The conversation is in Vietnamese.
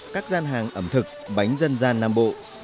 các gian hàng ẩm thực bánh dân gian nam bộ